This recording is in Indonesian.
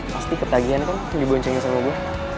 pasti ketagihan kan diboncingin sama gua